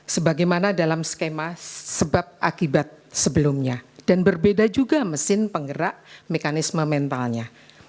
sebagaimana dalam skema sebab akibat sebelumnya dan berbeda juga mesin penggerak mekanisme mentalnya